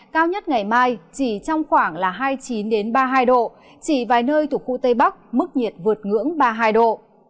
cao nhất ngày mai chỉ trong khoảng hai mươi chín ba mươi hai độ chỉ vài nơi thuộc khu tây bắc mức nhiệt vượt ngưỡng ba mươi hai độ